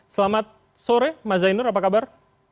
selamat sore mas zainur apa kabar